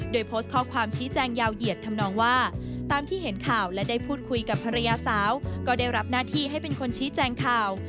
โดยโพสต์ข้อความชี้แจงยาวเหยียดทำนองว่าตามที่เห็นข่าวและได้พูดคุยกับภรรยาสาวก็ได้รับหน้าที่ให้เป็นคนชี้แจงข่าว